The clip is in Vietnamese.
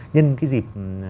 nhân cái dịp